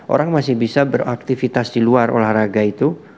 orang masih bisa beraktivitas di luar olahraga itu